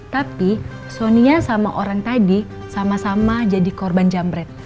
tapi sonia sama orang tadi sama sama jadi korban jambret